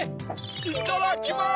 いただきます！